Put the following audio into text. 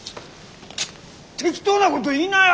適当なこと言いなや！